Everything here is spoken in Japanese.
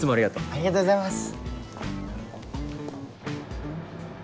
ありがとうございます。